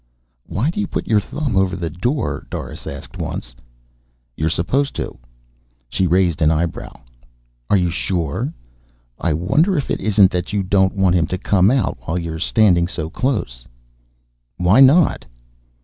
"Why do you put your thumb over the door?" Doris asked once. "You're supposed to." She raised an eyebrow. "Are you sure? I wonder if it isn't that you don't want him to come out while you're standing so close." "Why not?"